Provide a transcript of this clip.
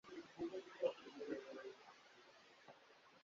Ntibyatinze uburyo bafatanyaga mu mirimo yose bugaragaza